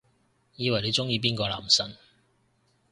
以為你鍾意邊個男神